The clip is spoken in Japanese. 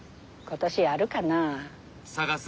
今年あるかなあ？